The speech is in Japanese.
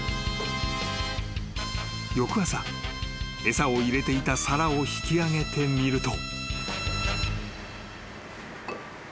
［餌を入れていた皿を引き上げてみると］